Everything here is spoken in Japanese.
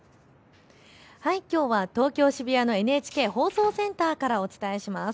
きょうは東京渋谷のＮＨＫ放送センターからお伝えします。